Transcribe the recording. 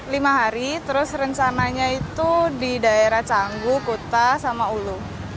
lima hari terus rencananya itu di daerah canggu kuta sama ulu